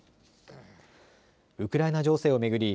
ウクライナ情勢を巡り